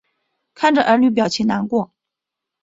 看着女儿表情难过